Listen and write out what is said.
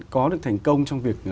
có được thành công trong việc